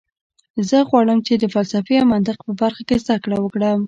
زه غواړم چې د فلسفې او منطق په برخه کې زده کړه وکړم